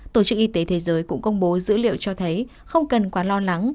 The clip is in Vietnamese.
tổ chức y tế thế giới cũng công bố dữ liệu cho thấy không cần quá lo lắng